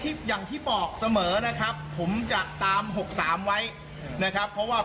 อย่างที่บอกเสมอนะครับผมจะตาม๖๓ไว้นะครับเพราะว่า